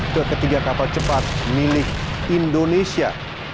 ke ketiga kapal cepat milik indonesia